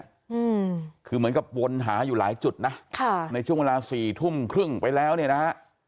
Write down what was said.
อืมคือเหมือนกับวนหาอยู่หลายจุดนะค่ะในช่วงเวลาสี่ทุ่มครึ่งไปแล้วเนี่ยนะฮะ